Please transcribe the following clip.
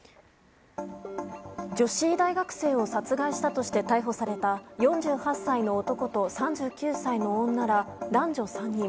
女子大学生を殺害したとして逮捕された４８歳の男と３９歳の女ら男女３人。